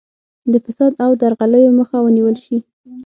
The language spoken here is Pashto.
د فساد او درغلیو مخه ونیول شي.